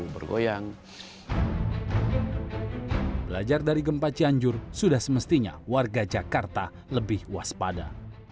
belajar dari gempa cianjur sudah semestinya warga jakarta lebih waspada